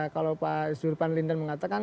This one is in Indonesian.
kalau pak zurpan linden mengatakan